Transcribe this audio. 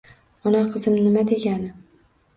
Ona qizim nima degani?